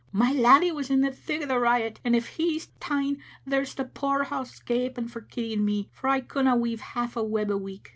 My laddie was in the thick o' the riot; and if he's ta'en there's the poor's house gaping for Kitty and me, for I couldna weave half a web a week.